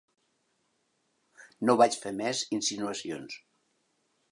No vaig fer més insinuacions.